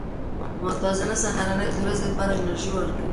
متوازنه سهارنۍ د ورځې لپاره انرژي ورکوي.